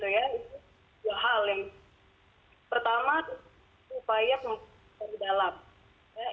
ya sebetulnya kalau dikomentari zoom begitu ya itu hal yang pertama upaya dari dalam